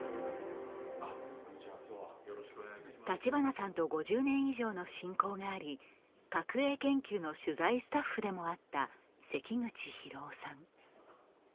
立花さんと５０年以上の親交があり角栄研究の取材スタッフでもあった、関口博夫さん。